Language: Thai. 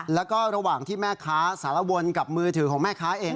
แล้วก็ระหว่างที่แม่ค้าสารวนกับมือถือของแม่ค้าเอง